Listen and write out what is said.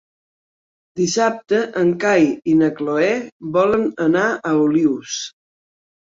Dissabte en Cai i na Cloè volen anar a Olius.